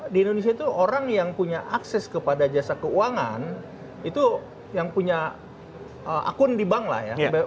di indonesia itu orang yang punya akses kepada jasa keuangan itu yang punya akun di bank lah ya